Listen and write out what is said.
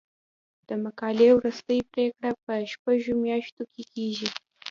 د مقالې وروستۍ پریکړه په شپږو میاشتو کې کیږي.